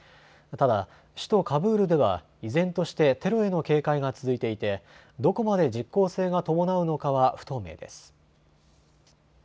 ただ首都カブールでは依然としてテロへの警戒が続いていてどこまで実効性が伴うのかは不透明です。